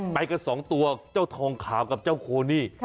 ไปกันสองตัวเจ้าทองขาวกับเจ้าโคนี่